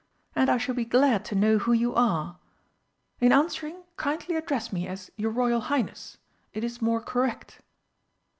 And I shall be glad to know who you are. In answering, kindly address me as 'Your Royal Highness.' It is more correct."